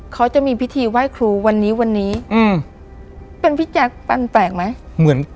เขาจะมีพิธีไหว้ครูวันนี้เป็นพิจารณ์แปลกไหม